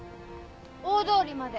大通りまで。